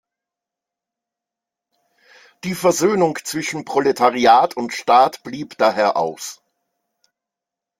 Die Versöhnung zwischen Proletariat und Staat blieb daher aus.